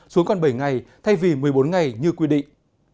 xuống còn bảy ngày thay vì một mươi bốn ngày như quy định